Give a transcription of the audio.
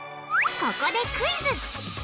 ここでクイズ！